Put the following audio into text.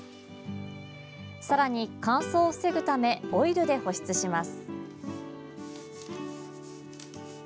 更に、乾燥を防ぐためオイルで保湿します。